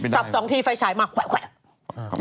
สับ๒ทีไฟฉายมากว่าคว่า